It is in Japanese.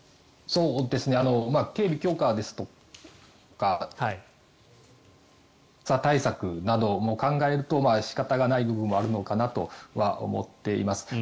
警備強化ですとか暑さ対策を考えると仕方ない部分もあるのかなと思っています。